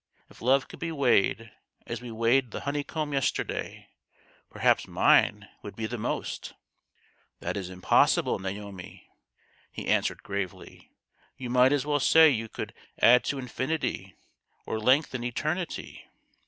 If love could be weighed, as we weighed the honeycomb yester day, perhaps mine would be the most !"" That is impossible, Naomi," he answered gravely. " You might as well say you could add to infinity or lengthen eternity